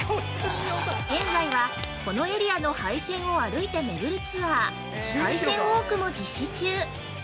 現在は、このエリアの廃線を歩いてめぐるツアー、廃線ウォークも実施中。